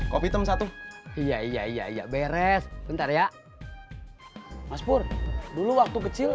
kopi tem satu iya iya iya beres bentar ya mas pur dulu waktu kecil